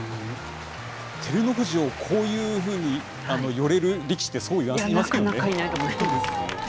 照ノ富士をこういうふうに寄れる力士って、そういませんよね。